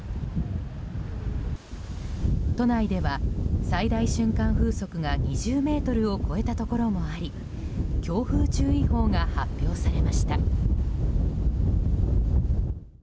都内では、最大瞬間風速が２０メートルを超えたところもあり強風注意報が発表されました。